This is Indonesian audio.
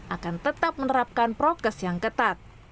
akan tetap menerapkan prokes yang ketat